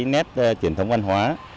nét truyền thống văn hóa